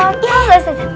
gak apa apa ustazah